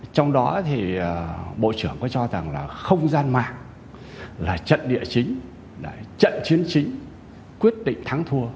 trong đó bộ trưởng cho rằng không gian mạng là trận địa chính trận chiến chính quyết định thắng thua